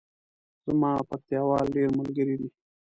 زما پکتیاوال ډیر ملګری دی